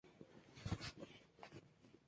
Todos los permanecen desaparecidos.